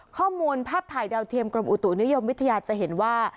ข้อมูลภาพถ่ายดาวเทียมกรมอุตุนิยมวิทยาจะเห็นว่า